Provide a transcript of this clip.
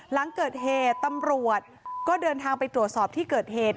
หลังเกิดเหตุตำรวจก็เดินทางไปตรวจสอบที่เกิดเหตุ